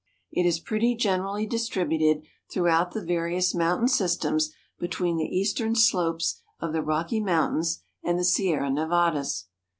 It is pretty generally distributed throughout the various mountain systems between the eastern slopes of the Rocky Mountains and the Sierra Nevadas.